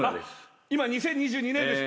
今２０２２年です